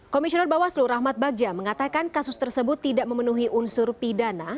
komisioner bawaslu rahmat bagja mengatakan kasus tersebut tidak memenuhi unsur pidana